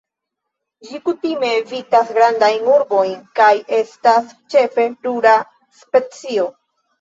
Ĝi kutime evitas grandajn urbojn kaj estas ĉefe rura specio.